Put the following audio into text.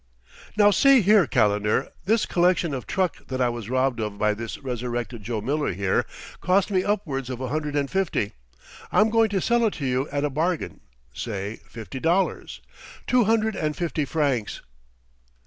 "Now see here, Calendar; this collection of truck that I was robbed of by this resurrected Joe Miller here, cost me upwards of a hundred and fifty. I'm going to sell it to you at a bargain say fifty dollars, two hundred and fifty francs."